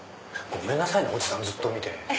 ごめんなさいねおじさんずっと見て。